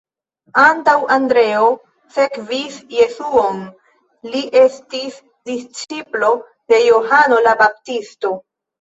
Antaŭ Andreo sekvis Jesuon, li estis disĉiplo de Johano la Baptisto.